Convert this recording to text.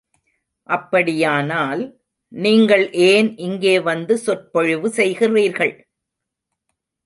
அப்படியானால், நீங்கள் ஏன் இங்கே வந்து சொற்பொழிவு செய்கிறீர்கள்?